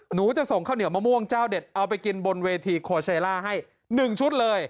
หนูจะส่งข้าวเหนียวมะม่วงเจ้าเด็ดเอาไปกินบนเวทีโคเซล่าให้๑ชุดเลย